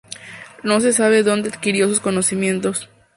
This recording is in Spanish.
No se sabe dónde adquirió sus conocimientos.